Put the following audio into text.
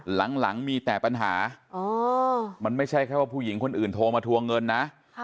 หลังมีแต่ปัญหามันไม่ใช่แค่ว่าผู้หญิงคนอื่นโทรมาทวงเงินนะ